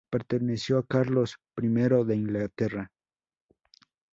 Perteneció a Carlos I de Inglaterra.